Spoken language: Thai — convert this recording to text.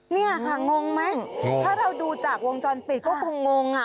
เนี่ยค่ะงงไหมถ้าเราดูจากวงจรปิดก็คงงอ่ะ